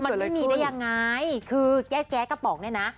มันหนีได้ยังไงคือแก๊สแก๊สกระป๋องเนี้ยน่ะ